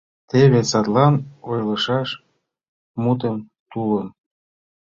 Теве садлан ойлышаш мутым, тулым